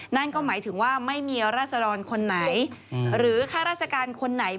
นั่นก็หมายถึงว่าไม่มีราศดรคนไหนหรือข้าราชการคนไหน